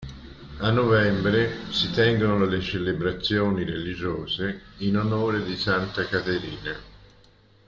A novembre si tengono le celebrazioni religiose in onore di santa Caterina.